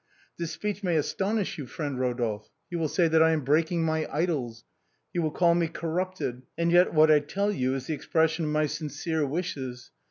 This speech may aston ish you, friend Rodolphe ; you will say that I am breaking my idols, you will call me corrupted; and yet what I tell you is the expression of my sincere wishes.